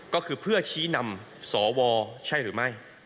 ก็คือเพื่อชี้นำสวใช่หรือไม่